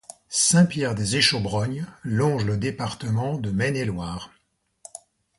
Saint-Pierre-des-Échaubrognes longe le département de Maine-et-Loire.